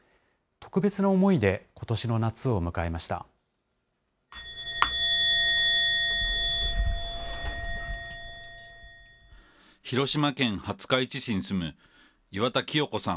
特別な思いでことしの夏を迎えま広島県廿日市市に住む岩田キヨ子さん